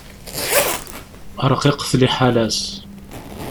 Ṛqiqet liḥala-s.